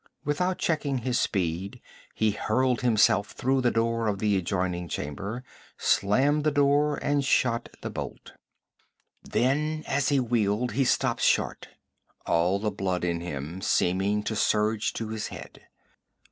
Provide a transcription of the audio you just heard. Without checking his speed he hurled himself through the door of the adjoining chamber, slammed the door and shot the bolt. Then as he wheeled he stopped short, all the blood in him seeming to surge to his head.